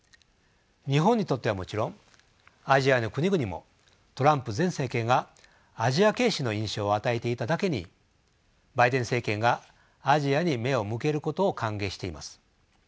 日本にとってはもちろんアジアの国々もトランプ前政権がアジア軽視の印象を与えていただけにバイデン政権がアジアに目を向けることを歓迎しています。